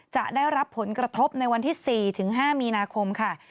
จะได้รับผลกระทบในวันที่๔๕มีนาคมค่ะ